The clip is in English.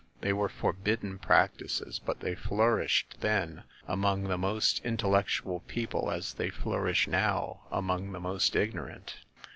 They were forbidden practises, but they flourished then among the most in tellectual people as they flourish now among the most ignorant.